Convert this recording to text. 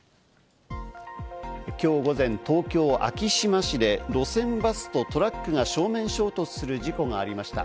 今日午前、東京・昭島市で路線バスとトラックが正面衝突する事故がありました。